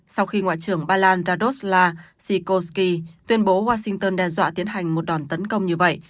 sau khi ngoại trưởng bài lan dadosla sikorsky tuyên bố washington đe dọa tiến hành một đòn tấn công như vậy